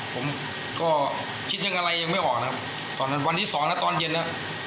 ผมก็คิดอย่างอะไรยังไม่ออกนะครับสอนทางวันนี้สองนะตอนเย็นนะ